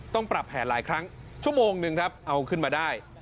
ต้องปรับแผนหลายครั้งชั่วโมงนึงครับเอาขึ้นมาได้